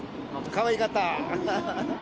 かわいかった。